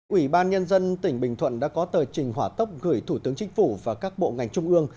ủy ban nhân dân tỉnh bình thuận đã có tờ trình hỏa tốc gửi thủ tướng chính phủ và các bộ ngành trung ương